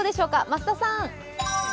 増田さん。